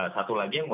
satu lagi yang